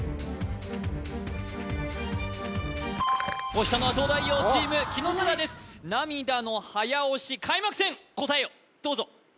押したのは東大王チーム紀野紗良です涙の早押し開幕戦！答えをどうぞＡＢＣＤ